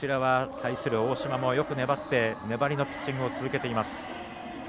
対する大嶋もよく粘って粘りのピッチングを続けています。